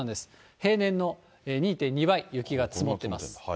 平年の２．２倍雪が積もってます。